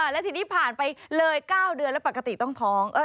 แล้วทีนี้ผ่านไปเลย๙เดือนแล้วปกติต้องท้อง